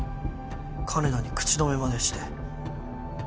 金田に口止めまでして。